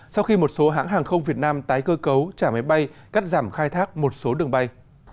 sau khi một số hãng hàng không việt nam tái cơ cấu trả máy bay cắt giảm khai thác một số đường bay